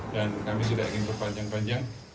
dan kami sudah ingin berpanjang panjang